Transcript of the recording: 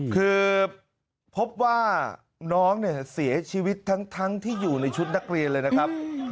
คือพบว่าน้องเนี่ยเสียชีวิตทั้งที่อยู่ในชุดนักเรียนเลยนะครับ